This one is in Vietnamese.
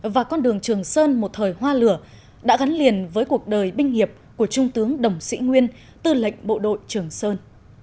và con đường trường sơn một thời hoa lửa đã gắn liền với cuộc đời binh hiệp của trung tướng đồng sĩ nguyên tư lệnh bộ đội trường sơn